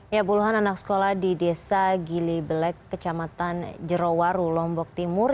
ya puluhan anak sekolah di desa gili belek kecamatan jerowaru lombok timur